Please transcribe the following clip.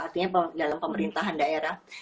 artinya dalam pemerintahan daerah